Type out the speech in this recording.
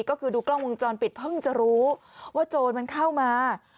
ก็คือดูกล้องวงจรปิดเพิ่งจะรู้ว่าโจรมันเข้ามา